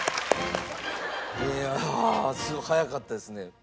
いやあ早かったですね。